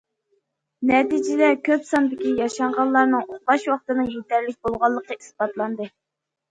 نەتىجىدە، كۆپ ساندىكى ياشانغانلارنىڭ ئۇخلاش ۋاقتىنىڭ يېتەرلىك بولغانلىقى ئىسپاتلانغان.